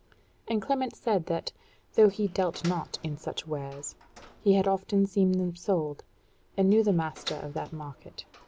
And Clement said that, though he dealt not in such wares, he had often seen them sold, and knew the master of that market.